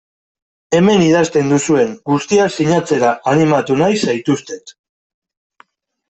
Hemen idazten duzuen guztia sinatzera animatu nahi zaituztet.